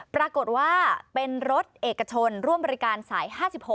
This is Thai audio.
ปรากฏว่าเป็นรถเอกชนร่วมบริการสาย๕๖